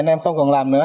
anh em không còn làm nữa